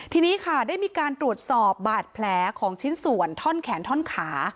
ทีนี้ค่ะได้มีการตรวจสอบบาดแผลของชิ้นส่วนท่อนแขนท่อนขา